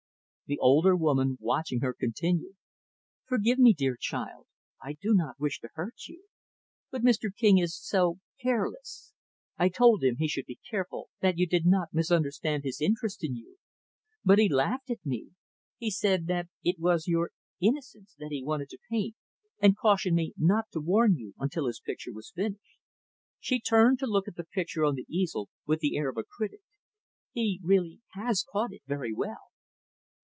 The older woman, watching her, continued, "Forgive me, dear child. I do not wish to hurt you. But Mr. King is so careless. I told him he should be careful that you did not misunderstand his interest in you. But he laughed at me. He said that it was your innocence that he wanted to paint, and cautioned me not to warn you until his picture was finished." She turned to look at the picture on the easel with the air of a critic. "He really has caught it very well.